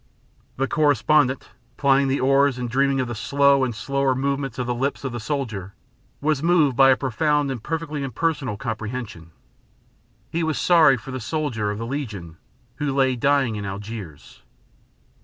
The correspondent, plying the oars and dreaming of the slow and slower movements of the lips of the soldier, was moved by a profound and perfectly impersonal comprehension. He was sorry for the soldier of the Legion who lay dying in Algiers.